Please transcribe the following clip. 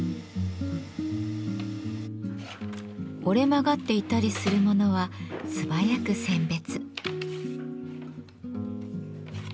折れ曲がっていたりするものは素早く選別。